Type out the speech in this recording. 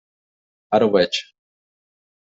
Ara ho veig.